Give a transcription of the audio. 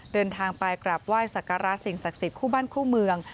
เดินทางไปกราบไหว้สักการะสิ่งศักดิ์สิทธิคู่บ้านคู่เมือง